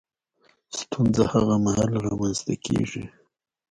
ستونزه هغه مهال رامنځ ته کېږي